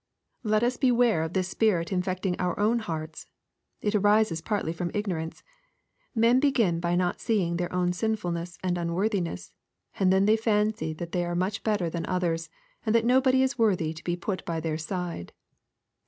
Let us beware of this spirit infecting our own hearts It arises partly from ignorance. Men begin by not seeing their own sinfulness and unworthiness, and then they fancy that they are much better than others, and that nobody is worthy to be put by their side.